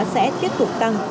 sẽ tiếp tục tăng